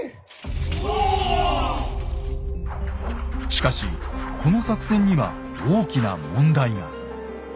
しかしこの作戦には大きな問題が。